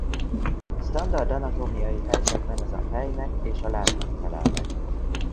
Standard anatómiai helyzetben ez a fejnek és a lábnak felel meg.